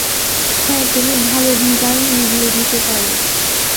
হ্যাঁ, তুমি ভালোই ডিজাইন রিভিউ দিতে পারো।